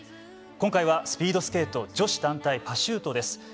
今回はスピードスケート女子団体パシュートです。